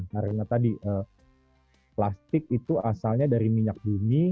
karena tadi plastik itu asalnya dari minyak bumi